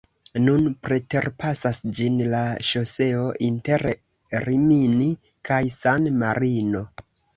Nun preterpasas ĝin la ŝoseo inter Rimini kaj San-Marino.